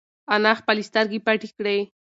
انا خپلې سترگې پټې کړې.